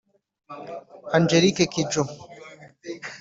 Angelique Kidjo